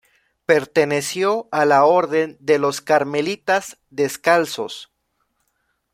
Perteneció a la Orden de los Carmelitas Descalzos.